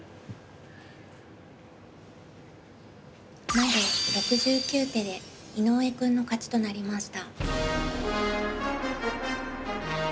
まで６９手で井上くんの勝ちとなりました。